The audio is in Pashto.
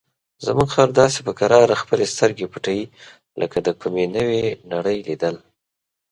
زموږ خر داسې په کراره خپلې سترګې پټوي لکه د کومې نوې نړۍ لیدل.